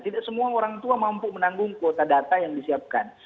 tidak semua orang tua mampu menanggung kuota data yang disiapkan